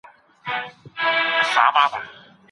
د ملګرو ملتونو راپورونه د افغانستان د اقتصاد په اړه څه وایي؟